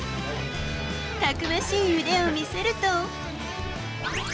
たくましい腕を見せると。